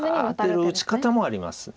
アテる打ち方もあります。